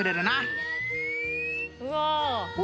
うわ！